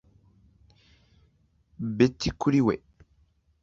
Betty kuri we